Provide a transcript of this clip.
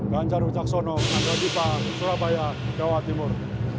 ganjar ucaksono kandang dipa surabaya jawa timur